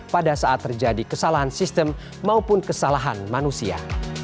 pada saat terjadi kesalahan sistem maupun kesalahan manusia